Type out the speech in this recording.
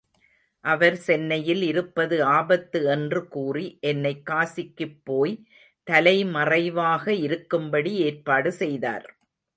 அவர் சென்னையில் இருப்பது ஆபத்து என்று கூறி என்னை காசிக்குப் போய் தலைமறைவாக இருக்கும்படி ஏற்பாடு செய்தார்.